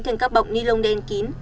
thành các bọc ni lông đen kín